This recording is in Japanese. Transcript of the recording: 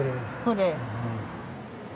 これ？